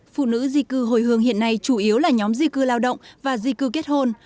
phụ nữ di cư hồi hương hiện nay chủ yếu là nhóm di cư lao động và di cư kết hôn